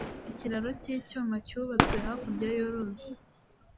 Ikiraro cyicyuma cyubatswe hakurya yuruzi.